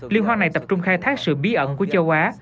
liên hoan này tập trung khai thác sự bí ẩn của châu á